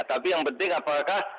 tapi yang penting apakah